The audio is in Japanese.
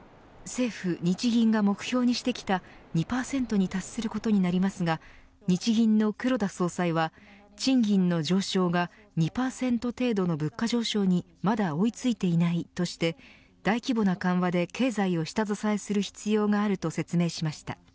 政府、日銀が目標にしてきた２％に達することになりますが日銀の黒田総裁は、賃金の上昇が２％程度の物価上昇にまだ追いついていないとして大規模な緩和で経済を下支えする必要があると説明しました。